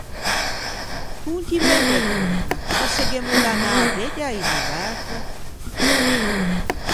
Contime un pö torna: cöse gh'emmo da anâ à vedde à Isoverde?